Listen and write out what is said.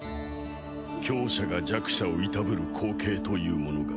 強者が弱者をいたぶる光景というものが。